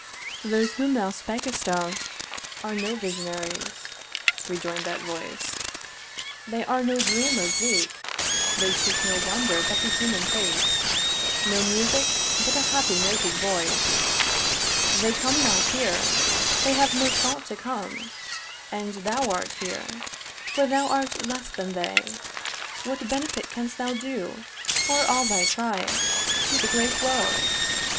'Those whom thou spak'st of are no vision'ries,' Rejoin'd that voice; 'they are no dreamers weak; 'They seek no wonder but the human face, 'No music but a happy noted voice; 'They come not here, they have no thought to come; 'And thou art here, for thou art less than they: 'What benefit canst thou do, or all thy tribe, 'To the great world?